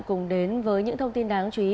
cùng đến với những thông tin đáng chú ý